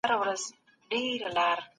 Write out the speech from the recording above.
سوي، تبعید سوي یا شکنجه سوي دي. د ځینو